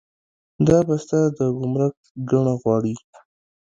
دا بسته د ګمرک ګڼه غواړي.